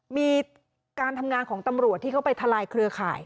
มีการทำงานของตำรวจที่เข้าไปทลายเครือข่าย